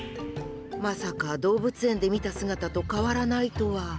まさか動物園で見た姿と変わらないとは。